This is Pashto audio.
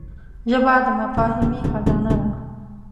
ژبه د مفاهمې خزانه ده